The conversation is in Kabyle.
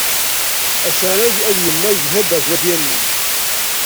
Asarag ad yemmag di taddart n At Yanni.